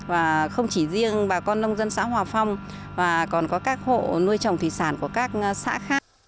và không chỉ riêng bà con nông dân xã hòa phong còn có các hộ nuôi trồng thủy sản của các xã khác